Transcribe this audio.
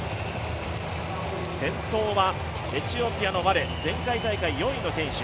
先頭はエチオピアのワレ、前回大会４位の選手。